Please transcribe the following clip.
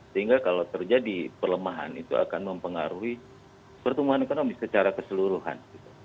sehingga kalau terjadi perlemahan itu akan mempengaruhi pertumbuhan ekonomi secara keseluruhan